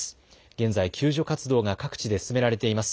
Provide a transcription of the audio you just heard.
現在、救助活動が各地で進められています。